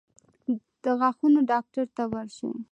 د غاښونو ډاکټر ته ورشئ